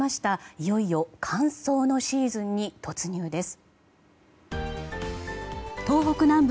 いよいよ乾燥のシーズンに突入です。